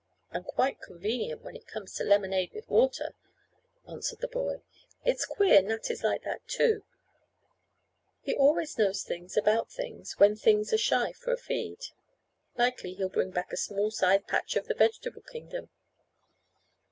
"And quite convenient when it comes to lemonade with water," answered the boy. "It's queer Nat is like that too. He always knows things about things when things are shy for a feed. Likely he'll bring back a small sized patch of the vegetable kingdom."